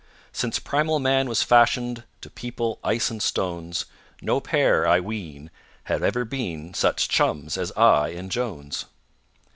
Since primal Man was fashioned To people ice and stones, No pair, I ween, had ever been Such chums as I and JONES.